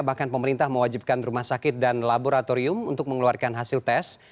bahkan pemerintah mewajibkan rumah sakit dan laboratorium untuk mengeluarkan hasil tes